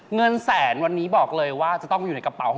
เงินแสนวันนี้บอกเลยว่าจะต้องอยู่ในกระเป๋า